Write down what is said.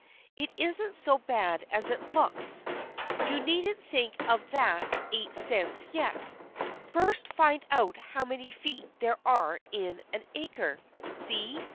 It isn't so bad as it looks. You needn't think of that eight cents yet. First find out how many feet there are in an acre. See?